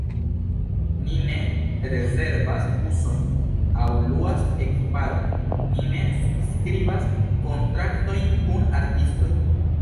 Ni ne rezervas busojn aŭ luas ekiparon, ni ne subskribas kontraktojn kun artistoj.